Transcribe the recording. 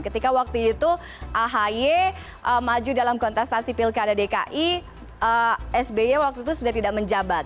ketika waktu itu ahy maju dalam kontestasi pilkada dki sby waktu itu sudah tidak menjabat